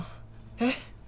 えっ！？